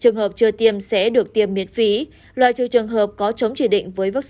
trường hợp chưa tiêm sẽ được tiêm miễn phí loại trừ trường hợp có chống chỉ định với vaccine